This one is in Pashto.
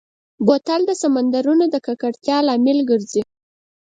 بوتل د سمندرونو د ککړتیا لامل ګرځي.